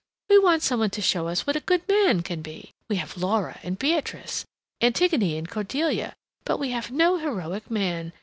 We want some one to show us what a good man can be. We have Laura and Beatrice, Antigone and Cordelia, but we have no heroic man.